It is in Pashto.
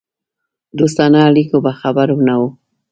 دوستانه اړیکو به خبر نه وو.